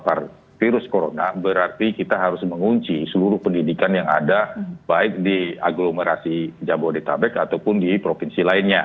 itulah yang kita yang harus seliwoo kita ebik tapi berarti kita harus mengunci seluruh pendidikan yang ada baik di aglomerasi jabodetabek ataupun di provinsi lainnya